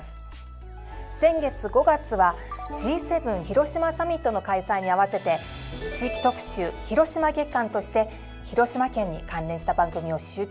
先月５月はＧ７広島サミットの開催に合わせて地域特集・広島月間として広島県に関連した番組を集中的に編成。